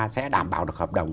sẽ đảm bảo được hợp đồng